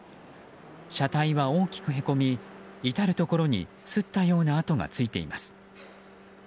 車体は大きくへこみ至るところにすったような跡がついています。